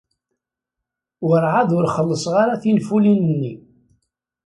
Werɛad ur xellṣeɣ ara tinfulin-nni.